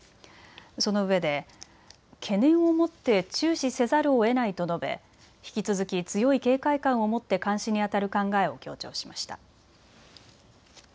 そのうえで懸念を持って注視せざるをえないと述べ引き続き強い警戒感を持って監視にあたる考えを強調しました。